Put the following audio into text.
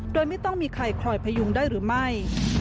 โดยไม่ต้องมีใครคอยพยุงได้หรือไม่